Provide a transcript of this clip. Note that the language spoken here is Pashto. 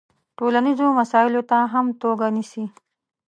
ټولنیزو مسایلو ته هم ګوته نیسي.